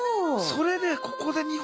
それでここで日本に。